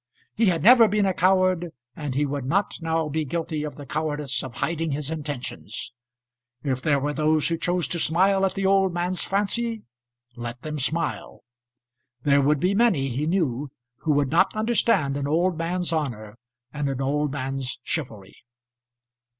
He had never been a coward, and he would not now be guilty of the cowardice of hiding his intentions. If there were those who chose to smile at the old man's fancy, let them smile. There would be many, he knew, who would not understand an old man's honour and an old man's chivalry.